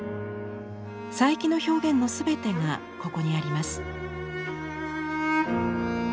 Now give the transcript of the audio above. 佐伯の表現の全てがここにあります。